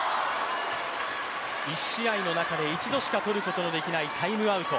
１試合の中で１度しかとることのできないタイムアウト。